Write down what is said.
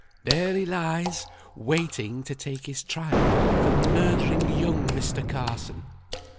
"There he lies, waiting to take his trial for murdering young Mr. Carson."